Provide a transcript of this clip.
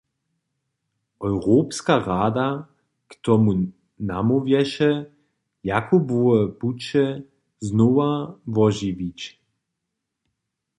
Europska rada k tomu namołwješe, Jakubowe puće znowa wožiwić.